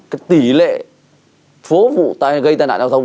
cái tỷ lệ phố vụ gây tai nạn giao thông